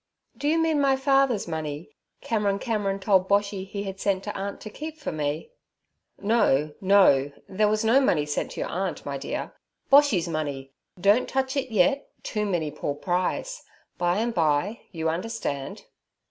'Do you mean my father's money, Cameron Cameron told Boshy he had sent to aunt to keep for me?' 'No, no; there was no money sent to your aunt, my dear—Boshy's money. don't touch it yet—too many Paul Prys; by and by, you understand.'